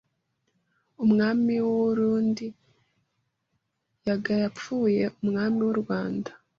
umwami w’u urundi yaga yapfuye umwami w’u Rwanda